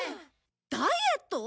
ダイエット！？